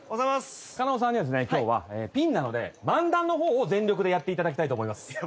狩野さんには今日はピンなので漫談の方を全力でやっていただきたいと思います。